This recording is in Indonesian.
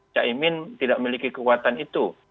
cak imin tidak memiliki kekuatan itu